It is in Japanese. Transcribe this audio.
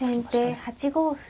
先手８五歩。